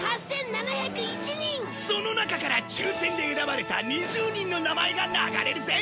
その中から抽選で選ばれた２０人の名前が流れるぜ！